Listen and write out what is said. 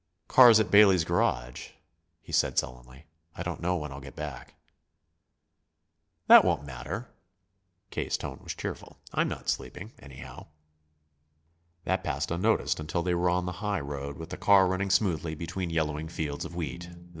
"Car's at Bailey's garage," he said sullenly. "I don't know when I'll get back." "That won't matter." K.'s tone was cheerful. "I'm not sleeping, anyhow." That passed unnoticed until they were on the highroad, with the car running smoothly between yellowing fields of wheat.